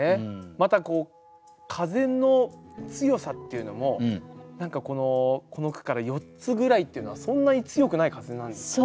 また風の強さっていうのも何かこの句から４つぐらいっていうのはそんなに強くない風なんですよね。